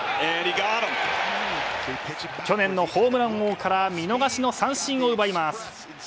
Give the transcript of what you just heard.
去年のホームラン王から見逃しの三振を奪います。